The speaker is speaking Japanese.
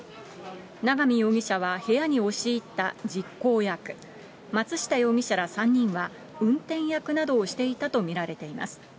永見容疑者は部屋に押し入った実行役、松下容疑者ら３人は運転役などをしていたと見られています。